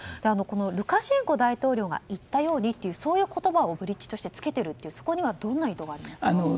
ルカシェンコ大統領が言ったようにというそういう言葉をつけているというそこにはどんな意図がありますか。